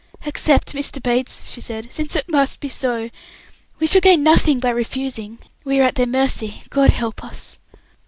"Accept, Mr. Bates," she said, "since it must be so. We should gain nothing by refusing. We are at their mercy God help us!"